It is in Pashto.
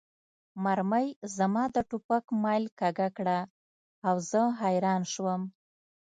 مرمۍ زما د ټوپک میل کږه کړه او زه حیران شوم